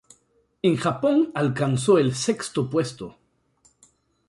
En Japón alcanzó el sexto puesto.